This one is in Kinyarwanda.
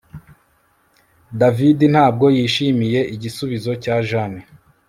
David ntabwo yishimiye igisubizo cya Jane